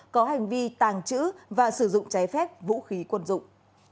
có hành vi tàng trữ và sử dụng trái phép vũ khí quân dụng